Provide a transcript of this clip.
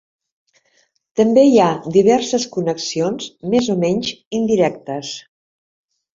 També hi ha diverses connexions més o menys indirectes.